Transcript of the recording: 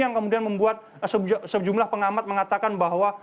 yang kemudian membuat sejumlah pengamat mengatakan bahwa